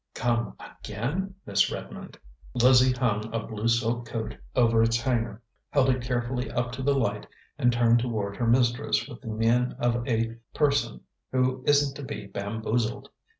"Come again, Miss Redmond!" Lizzie hung a blue silk coat over its hanger, held it carefully up to the light, and turned toward her mistress with the mien of a person who isn't to be bamboozled.